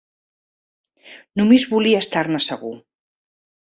Només volia estar-ne segur.